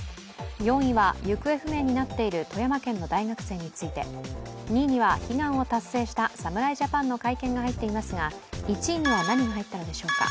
４位は行方不明になっている富山県の大学生について、２位には悲願を達成した侍ジャパンの会見が入っていますが１位には何が入ったのでしょうか。